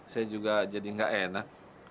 saya juga jadi nggak enak